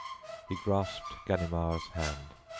He grasped Ganimard's hand.